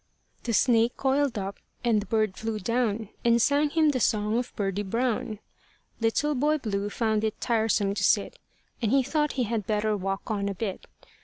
The snake coiled up; and the bird flew down, And sang him the song of Birdie Brown. Little Boy Blue found it tiresome to sit, And he thought he had better walk on a bit.